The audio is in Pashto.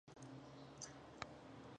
ایا مغز ښه ځواب ورکوي؟